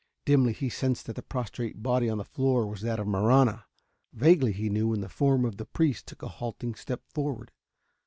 Dimly he sensed that the prostrate body on the floor was that of Marahna. Vaguely he knew when the form of the priest took a halting step forward.